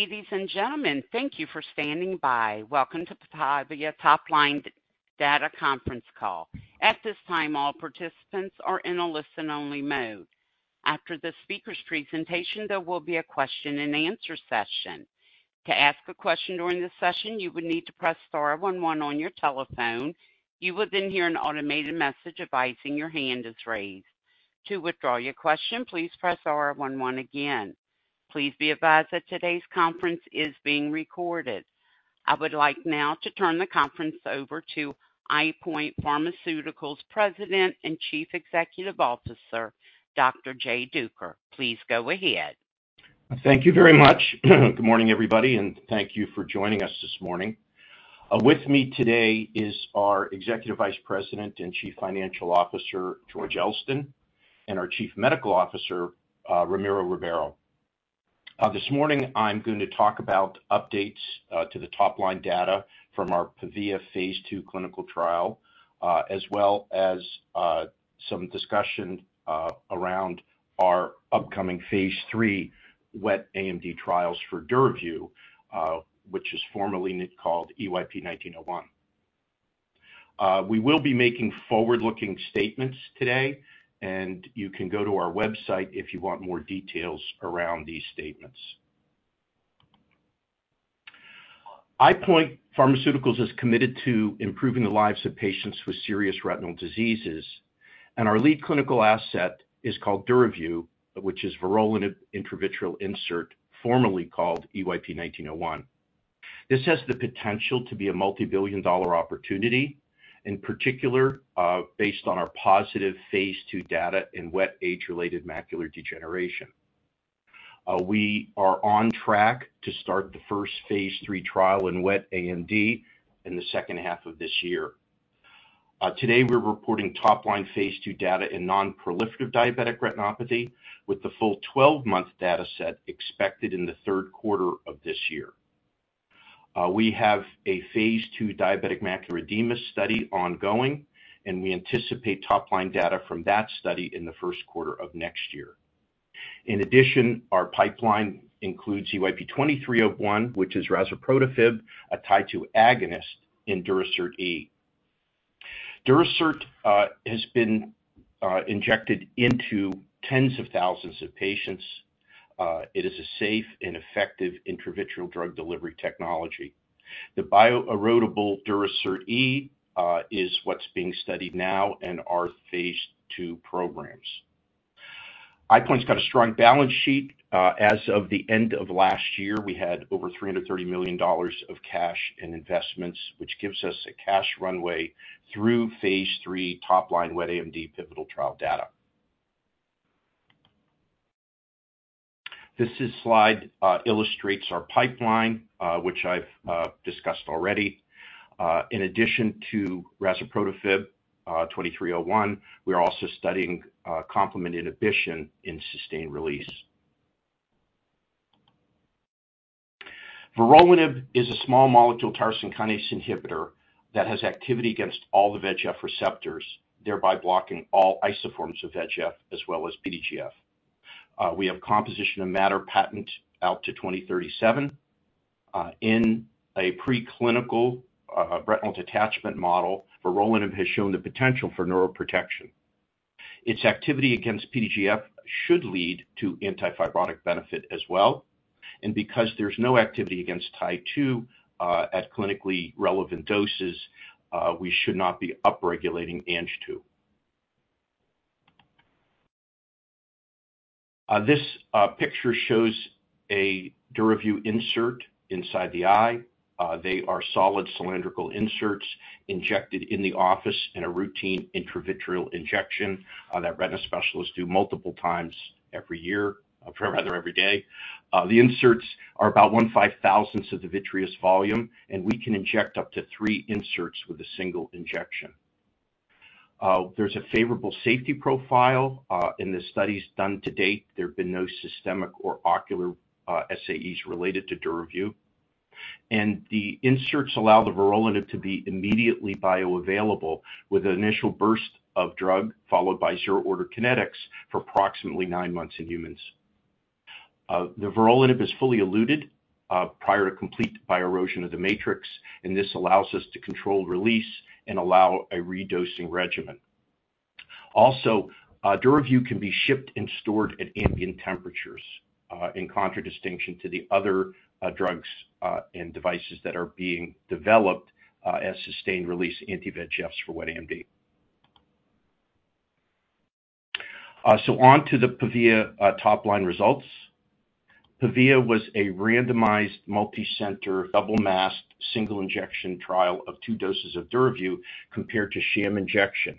Ladies and gentlemen, thank you for standing by. Welcome to PAVIA Topline Data Conference Call. At this time, all participants are in a listen-only mode. After the speaker's presentation, there will be a question-and-answer session. To ask a question during the session, you would need to press star one one on your telephone. You will then hear an automated message advising your hand is raised. To withdraw your question, please press star one one again. Please be advised that today's conference is being recorded. I would like now to turn the conference over to EyePoint Pharmaceuticals President and Chief Executive Officer, Dr. Jay Duker. Please go ahead. Thank you very much. Good morning, everybody, and thank you for joining us this morning. With me today is our Executive Vice President and Chief Financial Officer, George Elston, and our Chief Medical Officer, Ramiro Ribeiro. This morning, I'm going to talk about updates to the topline data from our PAVIA phase II clinical trial, as well as some discussion around our upcoming phase III wet AMD trials for Duravyu, which is formerly called EYP-1901. We will be making forward-looking statements today, and you can go to our website if you want more details around these statements. EyePoint Pharmaceuticals is committed to improving the lives of patients with serious retinal diseases, and our lead clinical asset is called Duravyu, which is vorolanib intravitreal insert, formerly called EYP-1901. This has the potential to be a multibillion-dollar opportunity, in particular based on our positive phase II data in wet age-related macular degeneration. We are on track to start the first phase III trial in wet AMD in the second half of this year. Today, we're reporting topline phase II data in non-proliferative diabetic retinopathy, with the full 12-month dataset expected in the third quarter of this year. We have a phase II diabetic macular edema study ongoing, and we anticipate topline data from that study in the first quarter of next year. In addition, our pipeline includes EYP-2301, which is razuprotafib, a Tie-2 agonist in Durasert E. Durasert has been injected into tens of thousands of patients. It is a safe and effective intravitreal drug delivery technology. The bioerodible Durasert E is what's being studied now in our phase II programs. EyePoint's got a strong balance sheet. As of the end of last year, we had over $330 million of cash and investments, which gives us a cash runway through phase III top-line wet AMD pivotal trial data. This slide illustrates our pipeline, which I've discussed already. In addition to razuprotafib EYP-2301, we are also studying complement inhibition in sustained release. Vorolanib is a small molecule tyrosine kinase inhibitor that has activity against all the VEGF receptors, thereby blocking all isoforms of VEGF as well as PDGF. We have composition of matter patent out to 2037. In a preclinical retinal detachment model, vorolanib has shown the potential for neuroprotection. Its activity against PDGF should lead to antifibrotic benefit as well, and because there's no activity against Tie-2 at clinically relevant doses, we should not be upregulating Ang-2. This picture shows a Duravyu insert inside the eye. They are solid cylindrical inserts injected in the office in a routine intravitreal injection that retina specialists do multiple times every year, rather every day. The inserts are about 1/5,000ths of the vitreous volume, and we can inject up to three inserts with a single injection. There's a favorable safety profile in the studies done to date. There have been no systemic or ocular SAEs related to Duravyu. And the inserts allow the vorolanib to be immediately bioavailable with an initial burst of drug followed by zero-order kinetics for approximately nine months in humans. The vorolanib is fully eluted prior to complete bioerosion of the matrix, and this allows us to control release and allow a redosing regimen. Also, Duravyu can be shipped and stored at ambient temperatures, in contradistinction to the other drugs and devices that are being developed as sustained release anti-VEGFs for wet AMD. So on to the PAVIA topline results. PAVIA was a randomized multi-center double-masked single injection trial of two doses of Duravyu compared to sham injection.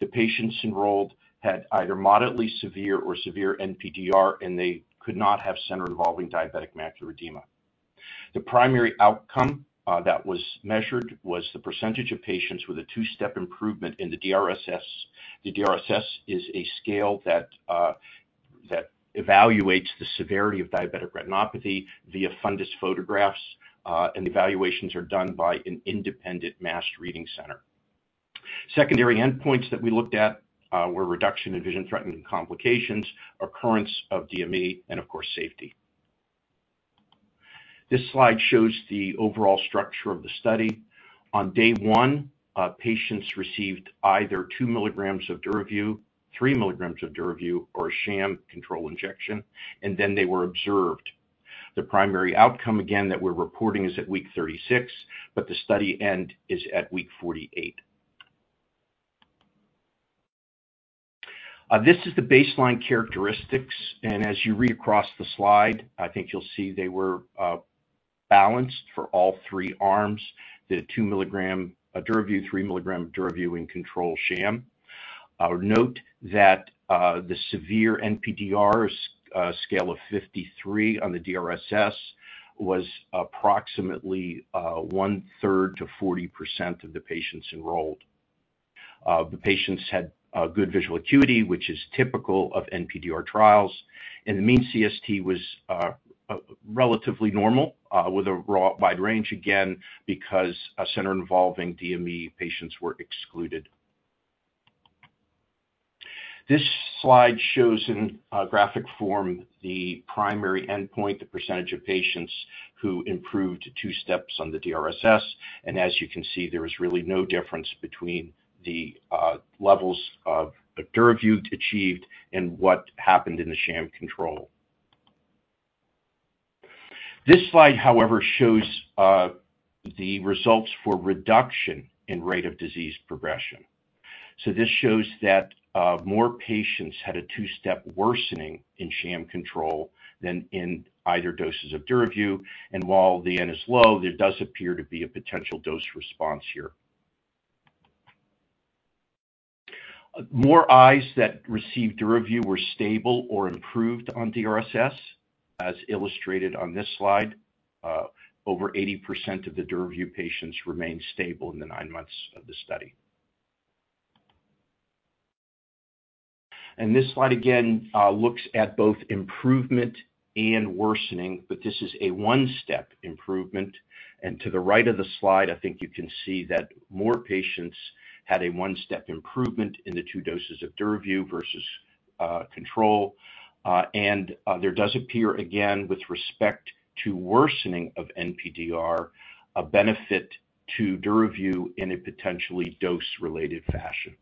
The patients enrolled had either moderately severe or severe NPDR, and they could not have center-involving diabetic macular edema. The primary outcome that was measured was the percentage of patients with a two-step improvement in the DRSS. The DRSS is a scale that evaluates the severity of diabetic retinopathy via fundus photographs, and the evaluations are done by an independent masked reading center. Secondary endpoints that we looked at were reduction in vision-threatening complications, occurrence of DME, and of course, safety. This slide shows the overall structure of the study. On day one, patients received either 2 mg of Duravyu, 3 mg of Duravyu, or a sham control injection, and then they were observed. The primary outcome, again, that we're reporting is at week 36, but the study end is at week 48. This is the baseline characteristics, and as you read across the slide, I think you'll see they were balanced for all three arms: the 2-mg Duravyu, 3-mg Duravyu, and control sham. Note that the severe NPDR scale of 53 on the DRSS was approximately one-third to 40% of the patients enrolled. The patients had good visual acuity, which is typical of NPDR trials, and the mean CST was relatively normal with a wide range, again, because center-involving DME patients were excluded. This slide shows in graphic form the primary endpoint, the percentage of patients who improved 2 steps on the DRSS, and as you can see, there was really no difference between the levels of Duravyu achieved and what happened in the sham control. This slide, however, shows the results for reduction in rate of disease progression. So this shows that more patients had a two-step worsening in sham control than in either doses of Duravyu, and while the N is low, there does appear to be a potential dose response here. More eyes that received Duravyu were stable or improved on DRSS, as illustrated on this slide. Over 80% of the Duravyu patients remained stable in the nine months of the study. And this slide, again, looks at both improvement and worsening, but this is a one-step improvement. And to the right of the slide, I think you can see that more patients had a one-step improvement in the two doses of Duravyu versus control, and there does appear, again, with respect to worsening of NPDR, a benefit to Duravyu in a potentially dose-related fashion.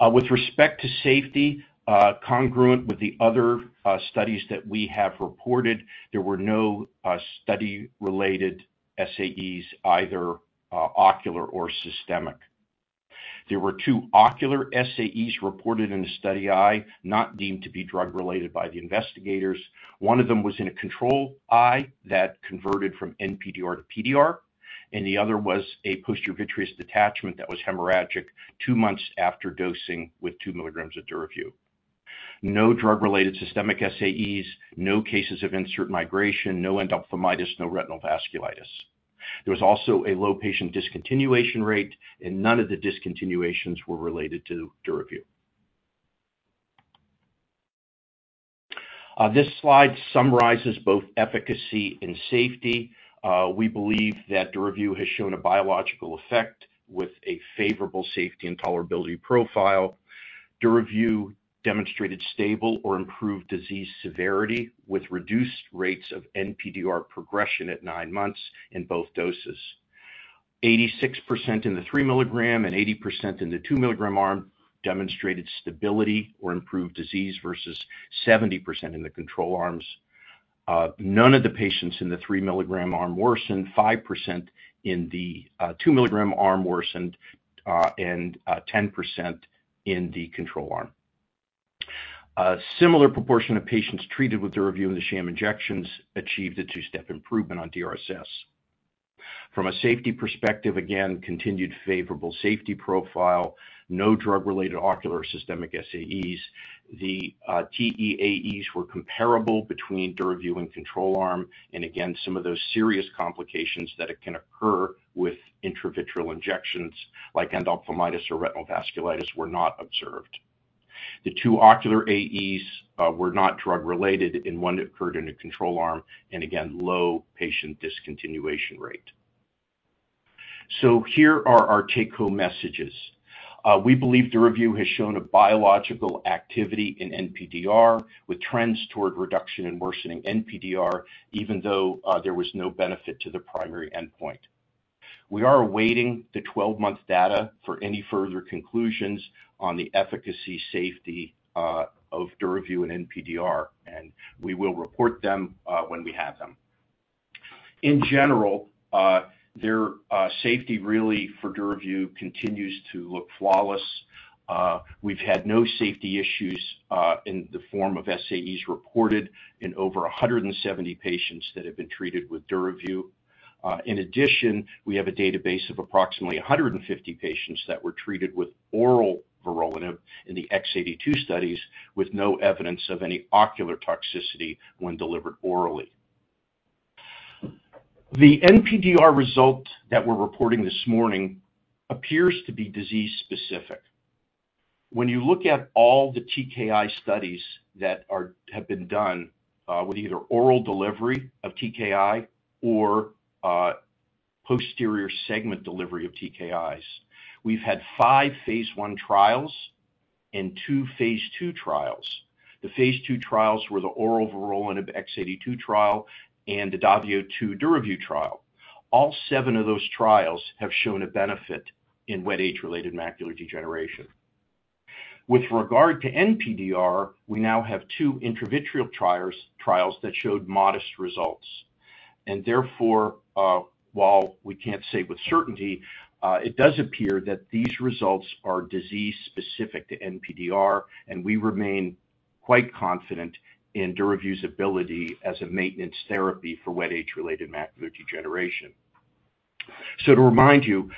With respect to safety, congruent with the other studies that we have reported, there were no study-related SAEs, either ocular or systemic. There were two ocular SAEs reported in the study eye, not deemed to be drug-related by the investigators. One of them was in a control eye that converted from NPDR to PDR, and the other was a posterior vitreous detachment that was hemorrhagic two months after dosing with 2 mg of Duravyu. No drug-related systemic SAEs, no cases of insert migration, no endophthalmitis, no retinal vasculitis. There was also a low patient discontinuation rate, and none of the discontinuations were related to Duravyu. This slide summarizes both efficacy and safety. We believe that Duravyu has shown a biological effect with a favorable safety and tolerability profile. Duravyu demonstrated stable or improved disease severity with reduced rates of NPDR progression at nine months in both doses. 86% in the 3 mg and 80% in the 2 mg arm demonstrated stability or improved disease versus 70% in the control arms. None of the patients in the 3 mg arm worsened, 5% in the 2 mg arm worsened, and 10% in the control arm. A similar proportion of patients treated with Duravyu and the sham injections achieved a two-step improvement on DRSS. From a safety perspective, again, continued favorable safety profile, no drug-related ocular or systemic SAEs. The TEAEs were comparable between Duravyu and control arm, and again, some of those serious complications that can occur with intravitreal injections, like endophthalmitis or retinal vasculitis, were not observed. The two ocular AEs were not drug-related, and one occurred in a control arm, and again, low patient discontinuation rate. So here are our take-home messages. We believe Duravyu has shown a biological activity in NPDR with trends toward reduction and worsening NPDR, even though there was no benefit to the primary endpoint. We are awaiting the 12-month data for any further conclusions on the efficacy, safety of Duravyu and NPDR, and we will report them when we have them. In general, their safety really for Duravyu continues to look flawless. We've had no safety issues in the form of SAEs reported in over 170 patients that have been treated with Duravyu. In addition, we have a database of approximately 150 patients that were treated with oral vorolanib in the X-82 studies with no evidence of any ocular toxicity when delivered orally. The NPDR result that we're reporting this morning appears to be disease-specific. When you look at all the TKI studies that have been done with either oral delivery of TKI or posterior segment delivery of TKIs, we've had five phase I trials and two phase II trials. The phase II trials were the oral vorolanib X-82 trial and the DAVIO 2 Duravyu trial. All seven of those trials have shown a benefit in wet age-related macular degeneration. With regard to NPDR, we now have two intravitreal trials that showed modest results, and therefore, while we can't say with certainty, it does appear that these results are disease-specific to NPDR, and we remain quite confident in Duravyu's ability as a maintenance therapy for wet age-related macular degeneration. So to remind you,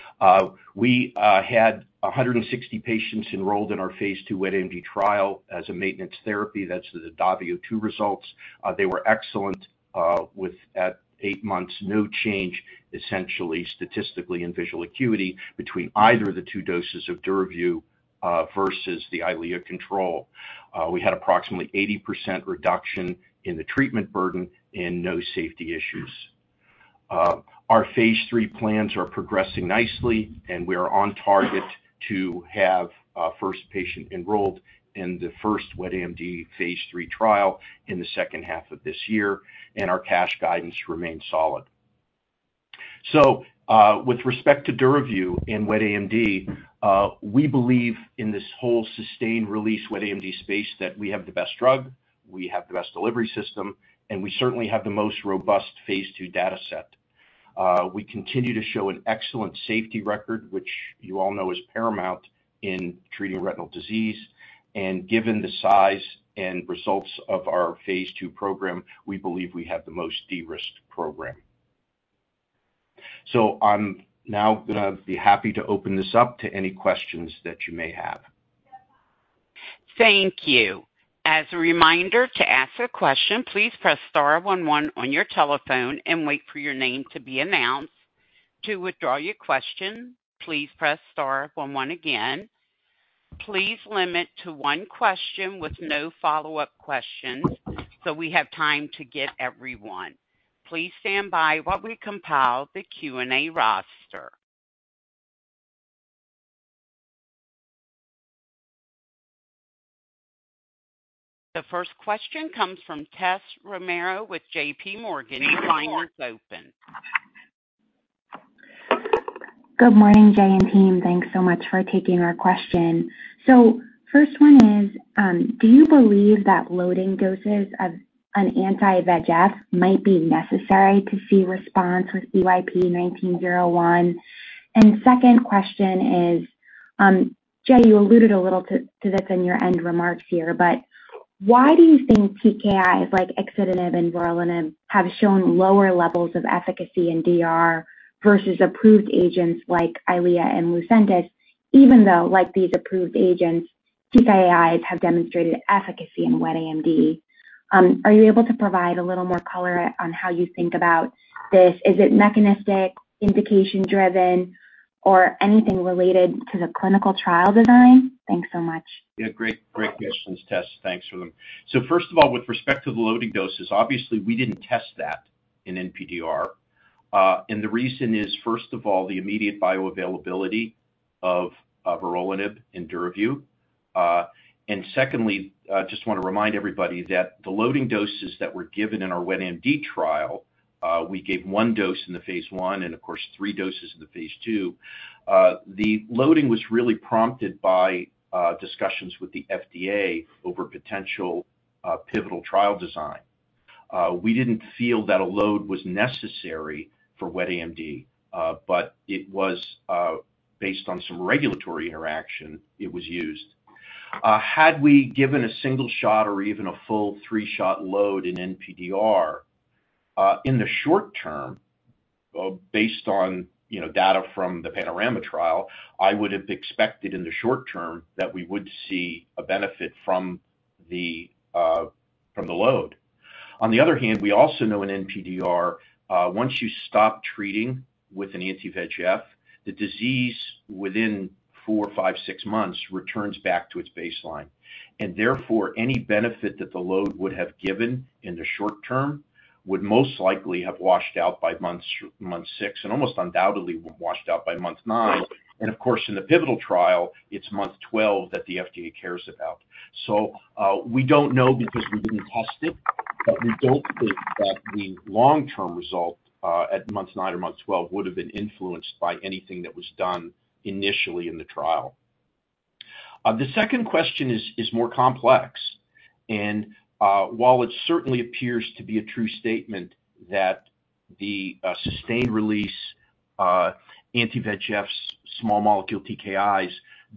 we had 160 patients enrolled in our phase II wet AMD trial as a maintenance therapy. That's the DAVIO 2 results. They were excellent at eight months, no change essentially statistically in visual acuity between either the two doses of Duravyu versus the Eylea control. We had approximately 80% reduction in the treatment burden and no safety issues. Our phase III plans are progressing nicely, and we are on target to have first patient enrolled in the first wet AMD phase III trial in the second half of this year, and our cash guidance remains solid. So with respect to Duravyu and wet AMD, we believe in this whole sustained release wet AMD space that we have the best drug, we have the best delivery system, and we certainly have the most robust phase II dataset. We continue to show an excellent safety record, which you all know is paramount in treating retinal disease, and given the size and results of our phase II program, we believe we have the most de-risked program. So I'm now going to be happy to open this up to any questions that you may have. Thank you. As a reminder, to ask a question, please press star one one on your telephone and wait for your name to be announced. To withdraw your question, please press star one one again. Please limit to one question with no follow-up questions so we have time to get everyone. Please stand by while we compile the Q&A roster. The first question comes from Tess Romero with J.P. Morgan. Your line is open. Good morning, Jay and team. Thanks so much for taking our question. So first one is, do you believe that loading doses of an anti-VEGF might be necessary to see response with EYP-1901? And second question is, Jay, you alluded a little to this in your end remarks here, but why do you think TKIs like axitinib and vorolanib have shown lower levels of efficacy in DR versus approved agents like Eylea and Lucentis, even though these approved agents, TKIs, have demonstrated efficacy in wet AMD? Are you able to provide a little more color on how you think about this? Is it mechanistic, indication-driven, or anything related to the clinical trial design? Thanks so much. Yeah, great questions, Tess. Thanks for them. So first of all, with respect to the loading doses, obviously, we didn't test that in NPDR, and the reason is, first of all, the immediate bioavailability of vorolanib and Duravyu. And secondly, I just want to remind everybody that the loading doses that were given in our Wet AMD trial, we gave one dose in the phase I and, of course, three doses in the phase II. The loading was really prompted by discussions with the FDA over potential pivotal trial design. We didn't feel that a load was necessary for Wet AMD, but it was based on some regulatory interaction, it was used. Had we given a single shot or even a full 3-shot load in NPDR, in the short term, based on data from the PANORAMA trial, I would have expected in the short term that we would see a benefit from the load. On the other hand, we also know in NPDR, once you stop treating with an anti-VEGF, the disease within four, five, six months returns back to its baseline, and therefore, any benefit that the load would have given in the short term would most likely have washed out by month 6, and almost undoubtedly washed out by month nine. And of course, in the pivotal trial, it's month 12 that the FDA cares about. So we don't know because we didn't test it, but we don't think that the long-term result at month nine or month 12 would have been influenced by anything that was done initially in the trial. The second question is more complex, and while it certainly appears to be a true statement that the sustained release anti-VEGFs, small molecule TKIs,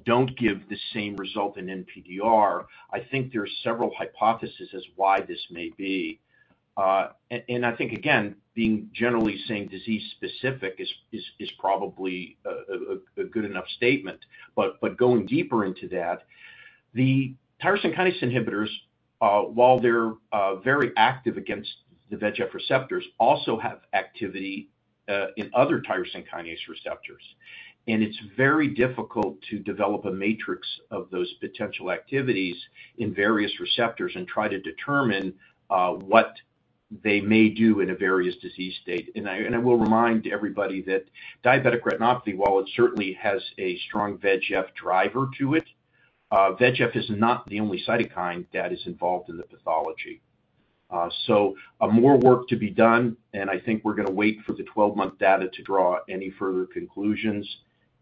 don't give the same result in NPDR, I think there are several hypotheses as why this may be. I think, again, generally saying disease-specific is probably a good enough statement, but going deeper into that, the tyrosine kinase inhibitors, while they're very active against the VEGF receptors, also have activity in other tyrosine kinase receptors, and it's very difficult to develop a matrix of those potential activities in various receptors and try to determine what they may do in a various disease state. I will remind everybody that diabetic retinopathy, while it certainly has a strong VEGF driver to it, VEGF is not the only cytokine that is involved in the pathology. So more work to be done, and I think we're going to wait for the 12-month data to draw any further conclusions,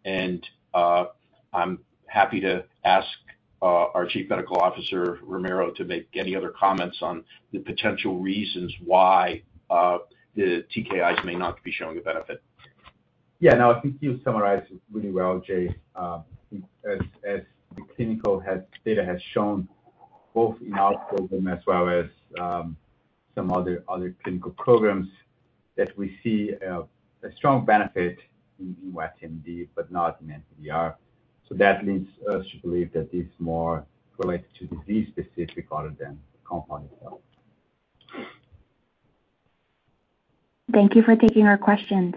and I'm happy to ask our Chief Medical Officer, Ramiro, to make any other comments on the potential reasons why the TKIs may not be showing a benefit. Yeah, no, I think you summarized it really well, Jay. As the clinical data has shown, both in our program as well as some other clinical programs, that we see a strong benefit in Wet AMD but not in NPDR. So that leads us to believe that this is more related to disease-specific rather than the compound itself. Thank you for taking our questions.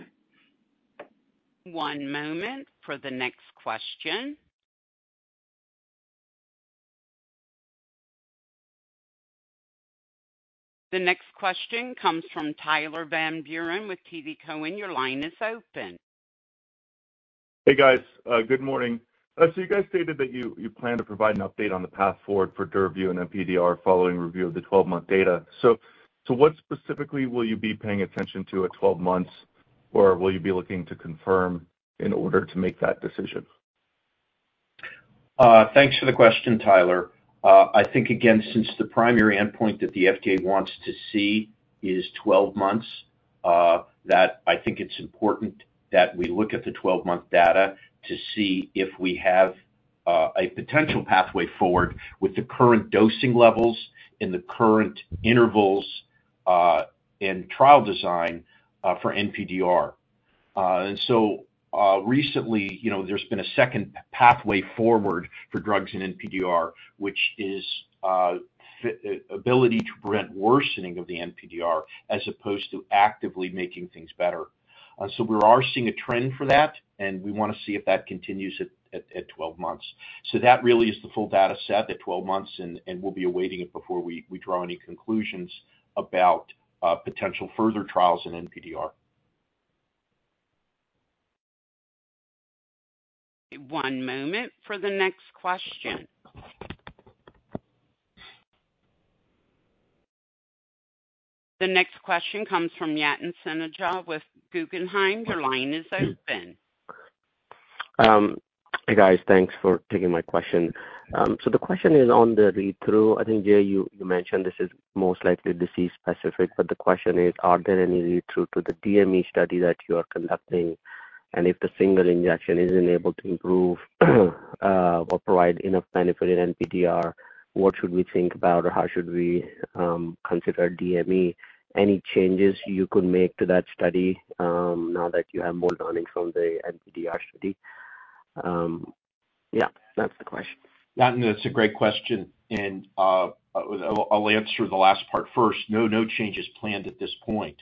One moment for the next question. The next question comes from Tyler Van Buren with TD Cowen. Your line is open. Hey, guys. Good morning. So you guys stated that you plan to provide an update on the path forward for Duravyu and NPDR following review of the 12-month data. So what specifically will you be paying attention to at 12 months, or will you be looking to confirm in order to make that decision? Thanks for the question, Tyler. I think, again, since the primary endpoint that the FDA wants to see is 12 months, that I think it's important that we look at the 12-month data to see if we have a potential pathway forward with the current dosing levels and the current intervals in trial design for NPDR. Recently, there's been a second pathway forward for drugs in NPDR, which is the ability to prevent worsening of the NPDR as opposed to actively making things better. We are seeing a trend for that, and we want to see if that continues at 12 months. That really is the full dataset at 12 months, and we'll be awaiting it before we draw any conclusions about potential further trials in NPDR. One moment for the next question. The next question comes from Yatin Suneja with Guggenheim. Your line is open. Hey, guys. Thanks for taking my question. So the question is on the read-through. I think, Jay, you mentioned this is most likely disease-specific, but the question is, are there any read-through to the DME study that you are conducting? And if the single injection isn't able to improve or provide enough benefit in NPDR, what should we think about, or how should we consider DME? Any changes you could make to that study now that you have more learning from the NPDR study? Yeah, that's the question. Yeah, no, it's a great question, and I'll answer the last part first. No, no changes planned at this point.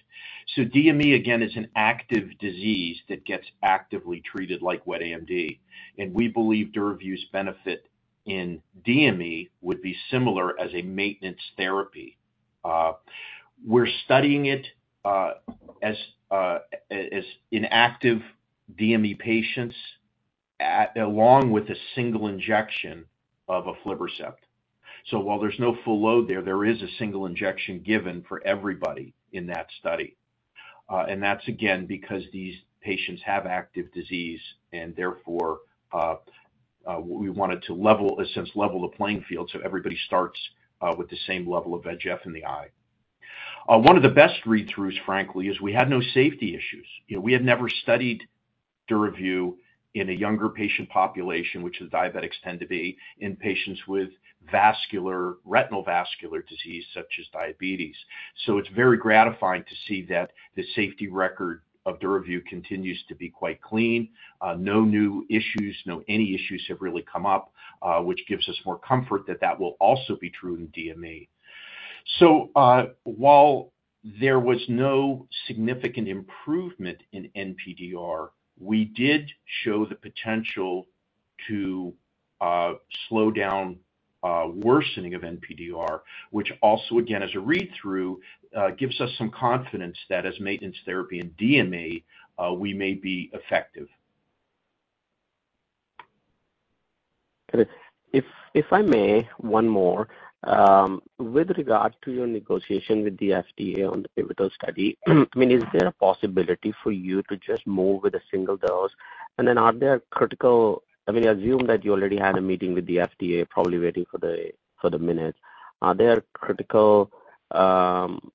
So DME, again, is an active disease that gets actively treated like wet AMD, and we believe Duravyu's benefit in DME would be similar as a maintenance therapy. We're studying it as inactive DME patients along with a single injection of aflibercept. So while there's no full load there, there is a single injection given for everybody in that study, and that's, again, because these patients have active disease, and therefore, we wanted to, essentially, level the playing field so everybody starts with the same level of VEGF in the eye. One of the best read-throughs, frankly, is we had no safety issues. We had never studied Duravyu in a younger patient population, which the diabetics tend to be, in patients with retinal vascular disease such as diabetes. So it's very gratifying to see that the safety record of Duravyu continues to be quite clean. No new issues, no any issues have really come up, which gives us more comfort that that will also be true in DME. So while there was no significant improvement in NPDR, we did show the potential to slow down worsening of NPDR, which also, again, as a read-through, gives us some confidence that as maintenance therapy in DME, we may be effective. Okay. If I may, one more. With regard to your negotiation with the FDA on the pivotal study, I mean, is there a possibility for you to just move with a single dose, and then are there critical I mean, assume that you already had a meeting with the FDA, probably waiting for the minutes. Are there critical points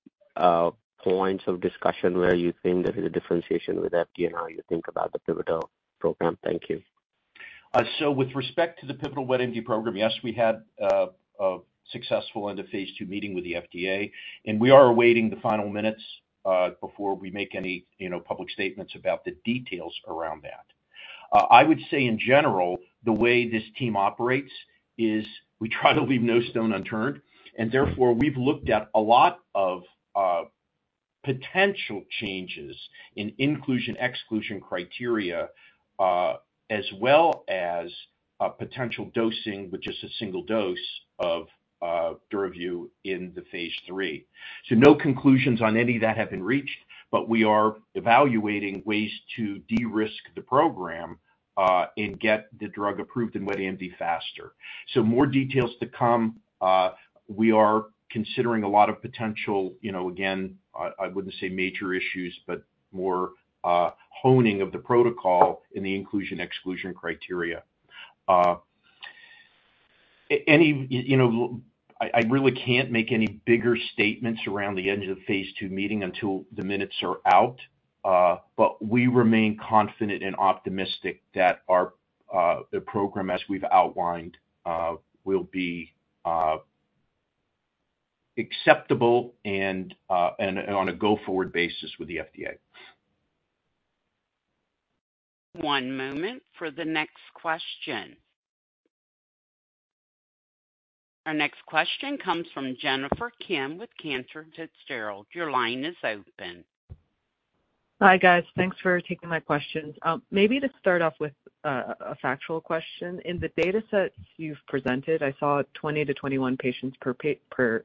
of discussion where you think there is a differentiation with FDA and how you think about the pivotal program? Thank you. So with respect to the pivotal wet AMD program, yes, we had a successful end-of-phase II meeting with the FDA, and we are awaiting the final minutes before we make any public statements about the details around that. I would say, in general, the way this team operates is we try to leave no stone unturned, and therefore, we've looked at a lot of potential changes in inclusion/exclusion criteria as well as potential dosing with just a single dose of Duravyu in the phase III. So no conclusions on any of that have been reached, but we are evaluating ways to de-risk the program and get the drug approved in wet AMD faster. So more details to come. We are considering a lot of potential, again, I wouldn't say major issues, but more honing of the protocol in the inclusion/exclusion criteria. I really can't make any bigger statements around the end-of-phase II meeting until the minutes are out, but we remain confident and optimistic that our program, as we've outlined, will be acceptable and on a go-forward basis with the FDA. One moment for the next question. Our next question comes from Jennifer Kim with Cantor Fitzgerald. Your line is open. Hi, guys. Thanks for taking my questions. Maybe to start off with a factual question. In the datasets you've presented, I saw 20-21 patients per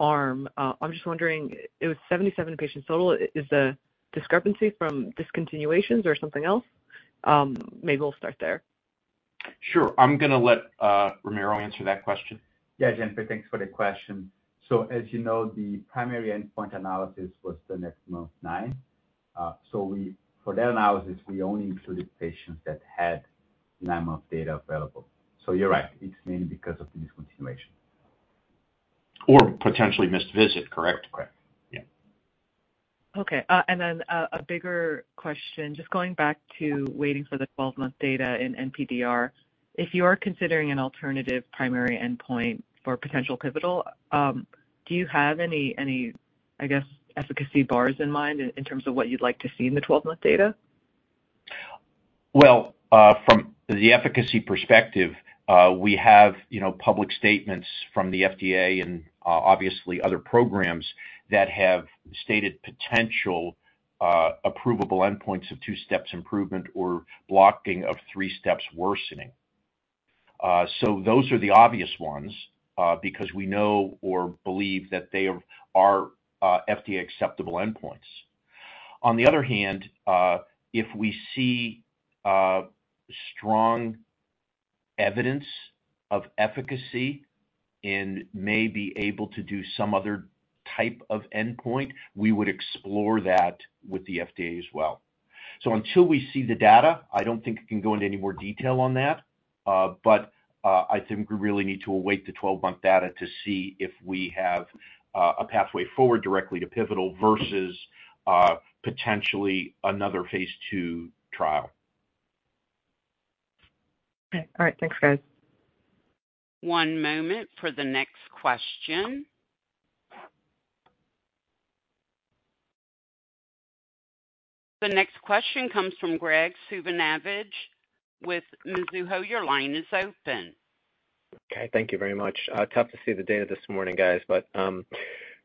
arm. I'm just wondering, it was 77 patients total. Is the discrepancy from discontinuations or something else? Maybe we'll start there. Sure. I'm going to let Ramiro answer that question. Yeah, Jennifer, thanks for the question. So as you know, the primary endpoint analysis was the nine-month. So for that analysis, we only included patients that had nine-month data available. So you're right. It's mainly because of the discontinuation. Or potentially missed visit, correct? Correct. Yeah. Okay. And then a bigger question, just going back to waiting for the 12-month data in NPDR, if you are considering an alternative primary endpoint for potential pivotal, do you have any, I guess, efficacy bars in mind in terms of what you'd like to see in the 12-month data? Well, from the efficacy perspective, we have public statements from the FDA and, obviously, other programs that have stated potential approvable endpoints of 2-step improvement or blocking of 3-step worsening. So those are the obvious ones because we know or believe that they are FDA-acceptable endpoints. On the other hand, if we see strong evidence of efficacy and may be able to do some other type of endpoint, we would explore that with the FDA as well. So until we see the data, I don't think I can go into any more detail on that, but I think we really need to await the 12-month data to see if we have a pathway forward directly to pivotal versus potentially another phase two trial. Okay. All right. Thanks, guys. One moment for the next question. The next question comes from Graig Suvannavejh with Mizuho. Your line is open. Okay. Thank you very much. Tough to see the data this morning, guys, but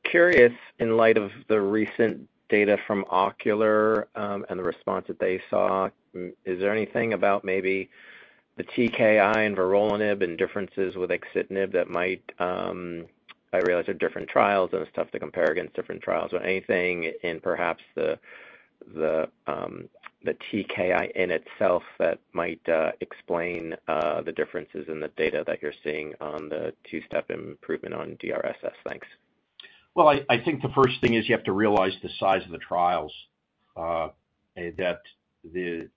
curious, in light of the recent data from Ocular and the response that they saw, is there anything about maybe the TKI and vorolanib and differences with axitinib that might I realize they're different trials, and it's tough to compare against different trials, but anything in perhaps the TKI in itself that might explain the differences in the data that you're seeing on the two-step improvement on DRSS? Thanks. Well, I think the first thing is you have to realize the size of the trials, that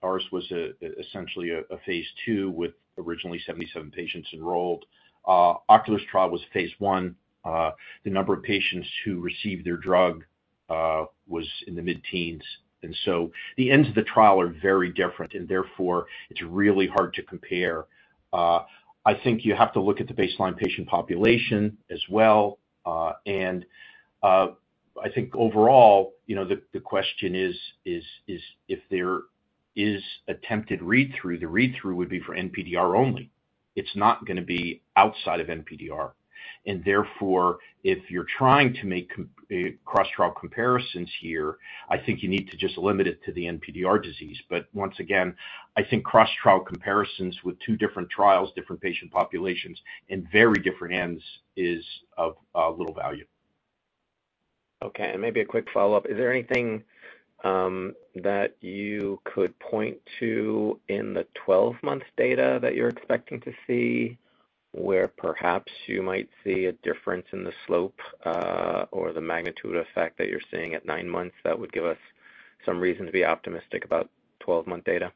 ours was essentially a phase II with originally 77 patients enrolled. Ocular's trial was phase I. The number of patients who received their drug was in the mid-teens, and so the ends of the trial are very different, and therefore, it's really hard to compare. I think you have to look at the baseline patient population as well, and I think overall, the question is if there is attempted read-through, the read-through would be for NPDR only. It's not going to be outside of NPDR. And therefore, if you're trying to make cross-trial comparisons here, I think you need to just limit it to the NPDR disease. But once again, I think cross-trial comparisons with two different trials, different patient populations, and very different ends is of little value. Okay. Maybe a quick follow-up. Is there anything that you could point to in the 12-month data that you're expecting to see where perhaps you might see a difference in the slope or the magnitude effect that you're seeing at 9 months that would give us some reason to be optimistic about 12-month data?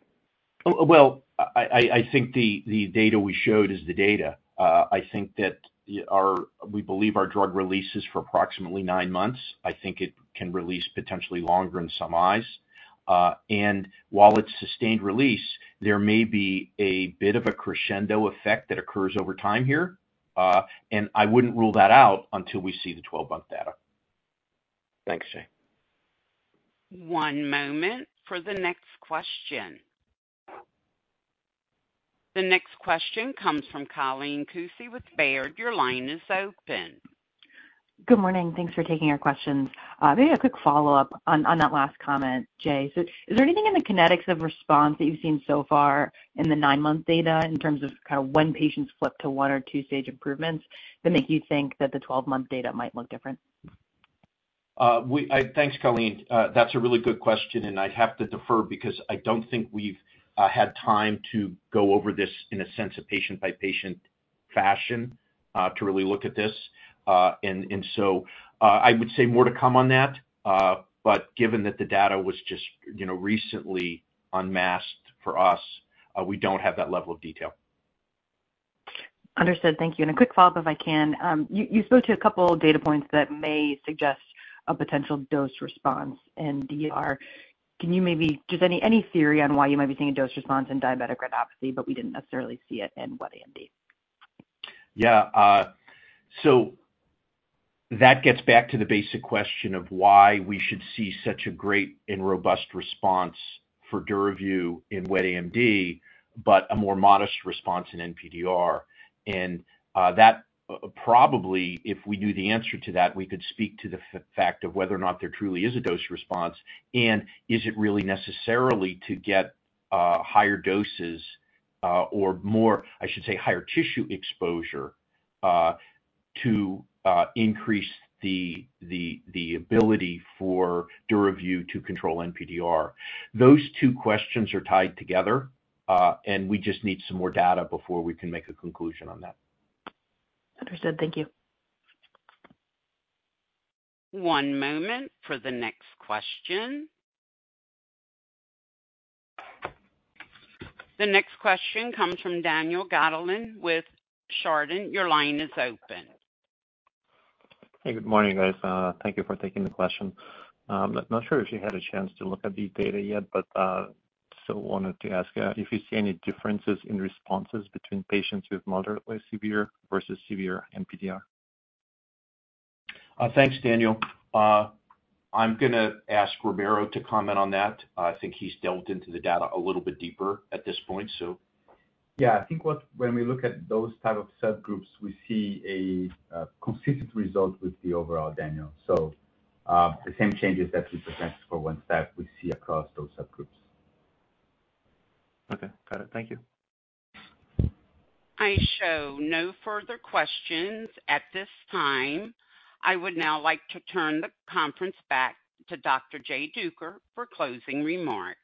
Well, I think the data we showed is the data. I think that we believe our drug releases for approximately nine months. I think it can release potentially longer in some eyes. And while it's sustained release, there may be a bit of a crescendo effect that occurs over time here, and I wouldn't rule that out until we see the 12-month data. Thanks, Jay. One moment for the next question. The next question comes from Colleen Kusy with Baird. Your line is open. Good morning. Thanks for taking our questions. Maybe a quick follow-up on that last comment, Jay. So is there anything in the kinetics of response that you've seen so far in the 9-month data in terms of kind of when patients flip to one or two-stage improvements that make you think that the 12-month data might look different? Thanks, Colleen. That's a really good question, and I'd have to defer because I don't think we've had time to go over this in a sense of patient-by-patient fashion to really look at this. I would say more to come on that, but given that the data was just recently unmasked for us, we don't have that level of detail. Understood. Thank you. A quick follow-up if I can. You spoke to a couple of data points that may suggest a potential dose response in DRSS. Can you maybe just any theory on why you might be seeing a dose response in diabetic retinopathy, but we didn't necessarily see it in wet AMD? Yeah. So that gets back to the basic question of why we should see such a great and robust response for Duravyu in wet AMD, but a more modest response in NPDR. And probably, if we knew the answer to that, we could speak to the fact of whether or not there truly is a dose response, and is it really necessarily to get higher doses or more, I should say, higher tissue exposure to increase the ability for Duravyu to control NPDR? Those two questions are tied together, and we just need some more data before we can make a conclusion on that. Understood. Thank you. One moment for the next question. The next question comes from Daniil Gataulin with Chardan. Your line is open. Hey, good morning, guys. Thank you for taking the question. I'm not sure if you had a chance to look at the data yet, but still wanted to ask if you see any differences in responses between patients with moderately severe versus severe NPDR? Thanks, Daniel. I'm going to ask Ramiro to comment on that. I think he's delved into the data a little bit deeper at this point, so. Yeah. I think when we look at those type of subgroups, we see a consistent result with the overall, Daniel. So the same changes that we presented for one step, we see across those subgroups. Okay. Got it. Thank you. I show no further questions at this time. I would now like to turn the conference back to Dr. Jay Duker for closing remarks.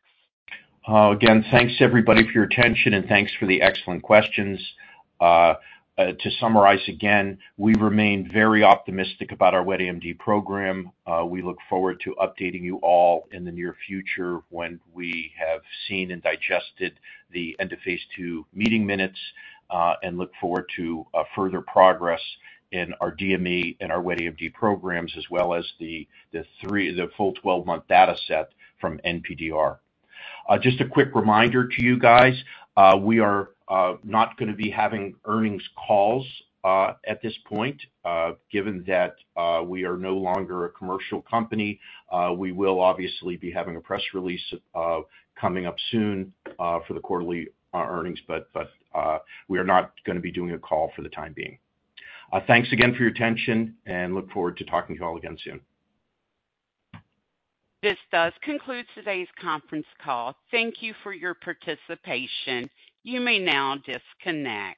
Again, thanks, everybody, for your attention, and thanks for the excellent questions. To summarize again, we remain very optimistic about our wet AMD program. We look forward to updating you all in the near future when we have seen and digested the end-of-phase II meeting minutes and look forward to further progress in our DME and our wet AMD programs as well as the full 12-month dataset from NPDR. Just a quick reminder to you guys, we are not going to be having earnings calls at this point. Given that we are no longer a commercial company, we will obviously be having a press release coming up soon for the quarterly earnings, but we are not going to be doing a call for the time being. Thanks again for your attention, and look forward to talking to you all again soon. This concludes today's conference call. Thank you for your participation. You may now disconnect.